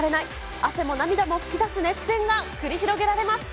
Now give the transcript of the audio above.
汗も涙も吹き出す熱戦が繰り広げられます。